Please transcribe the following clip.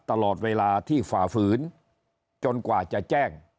ตลอดเวลาที่ฝ่าฝืนจนกว่าจะแจ้ง